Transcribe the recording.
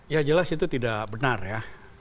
ya jelas itu tidak benar ya